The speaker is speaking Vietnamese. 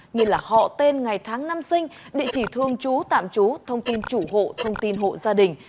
như là họ tên ngày tháng năm sinh địa chỉ thương chú tạm chú thông tin chủ hộ thông tin hộ gia đình